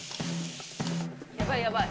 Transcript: やばいやばい。